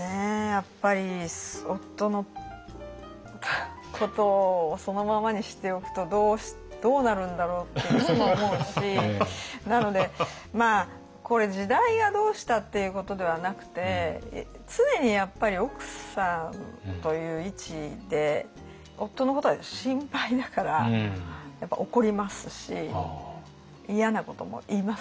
やっぱり夫のことをそのままにしておくとどうなるんだろうっていつも思うしなのでまあこれ時代がどうしたっていうことではなくて常にやっぱり奥さんという位置で夫のことは心配だから怒りますし嫌なことも言いますしね。